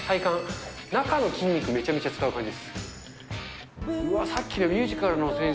中の筋肉、めちゃめちゃ使う感じ